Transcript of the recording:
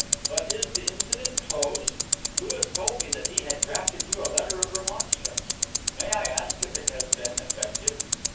But is the incident closed? Louis told me that he had drafted you a letter of remonstrance. May I ask if it has been effective?"